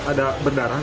ada benda kan